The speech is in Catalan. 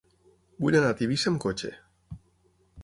Vull anar a Tivissa amb cotxe.